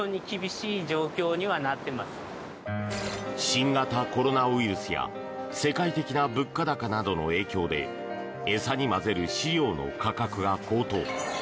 新型コロナウイルスや世界的な物価高などの影響で餌に混ぜる飼料の価格が高騰。